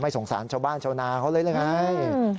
ไม่สงสารชาวบ้านชาวนาเขาเลยเลยไง